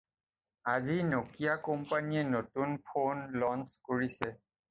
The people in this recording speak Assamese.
আজি ন'কিয়া কোম্পানীয়ে নতুন ফ'ন ল'ঞ্চ কৰিছে।